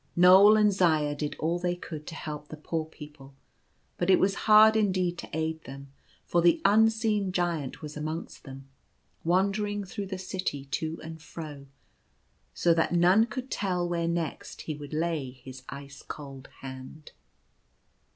Knoal and Zaya did all they could to help the poor people, but it was hard indeed to aid them, for the un seen Giant was amongst them, wandering through the city to and fro, so that none could tell where next he would lay his ice cold hand.